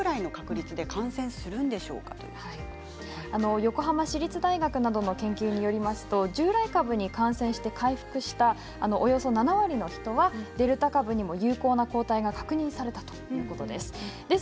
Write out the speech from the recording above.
横浜市立大学などの研究によると従来株に感染して回復したおよそ７割の方はデルタ株にも有効な抗体が確認されたということです。